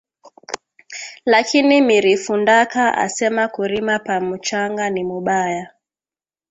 Lakini miri fundaka asema kurima pa muchanga ni mubaya